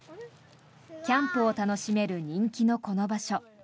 キャンプを楽しめる人気のこの場所。